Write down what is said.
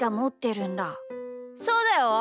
そうだよ。